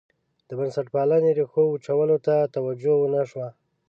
د بنسټپالنې ریښو وچولو ته توجه ونه شوه.